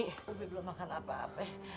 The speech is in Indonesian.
tapi belum makan apa apa